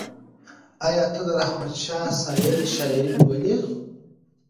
ایا ته د رحمت شاه سایل شاعري لولې؟